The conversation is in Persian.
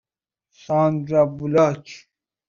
ساندرا بولاک